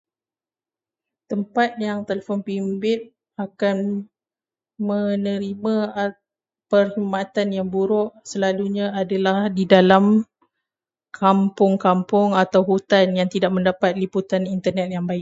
Tempat yang telefon bimbit akan menerima perkhidmatan yang buruk selalunya adalah di dalam kampung-kampung atau hutan yang tidak mendapat liputan Internet yang baik.